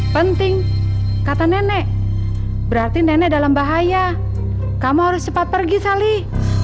penting kata nenek berarti nenek dalam bahaya kamu harus cepat pergi sali